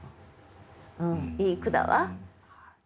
うんいい句だわ。